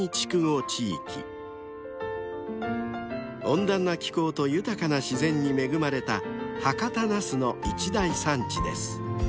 ［温暖な気候と豊かな自然に恵まれた博多なすの一大産地です］